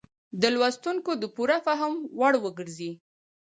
د لوستونکو د پوره فهم وړ وګرځي.